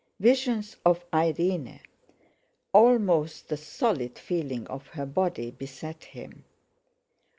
Visions of Irene, almost the solid feeling of her body, beset him.